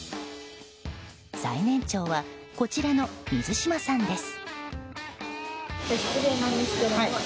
最年長は、こちらの水島さんです。